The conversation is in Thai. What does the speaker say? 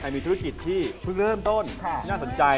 มีธุรกิจที่เพิ่งเริ่มต้นน่าสนใจ